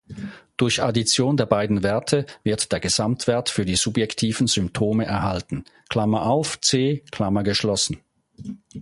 Durch Addition der beiden Werte wird der Gesamtwert für die subjektiven Symptome erhalten (C).